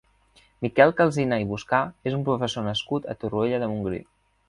Miquel Calsina i Buscà és un professor nascut a Torroella de Montgrí.